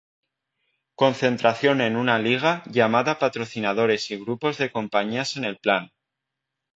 Concentración en una liga llamada patrocinadores y grupos de compañías en el plan.